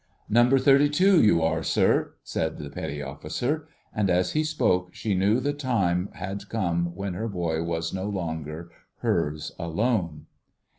"Number 32, you are, sir," said the Petty Officer; and as he spoke she knew the time had come when her boy was no longer hers alone.